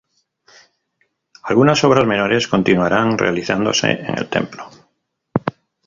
Algunas obras menores continuarán realizándose en el templo.